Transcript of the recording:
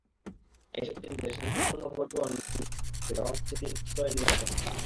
এসব কেন্দ্রে শান্তিপূর্ণ ভোট গ্রহণ নিশ্চিত করতে দেওয়া হচ্ছে তিন স্তরের নিরাপত্তা।